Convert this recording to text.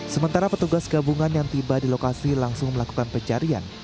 sementara petugas gabungan yang tiba di lokasi langsung melakukan pencarian